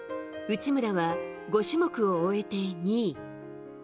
内村は５種目を終えて２位。